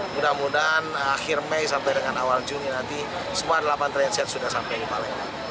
mudah mudahan akhir mei sampai dengan awal juni nanti semua delapan transit sudah sampai di palembang